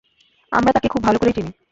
আমরা তাকে খুব ভালো করে চিনি।